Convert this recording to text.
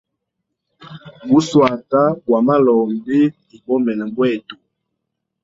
Bu shwata bwa malombi ibomene bwetu.